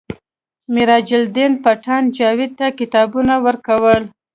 میراج الدین پټان جاوید ته کتابونه ورکول